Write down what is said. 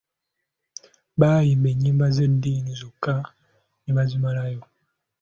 Baayimba ennyimba z'eddiini zonna ne bazimalayo.